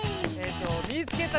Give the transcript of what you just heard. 「みいつけた！」